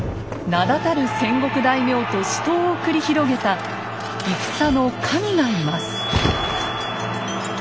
名だたる戦国大名と死闘を繰り広げた戦の神がいます。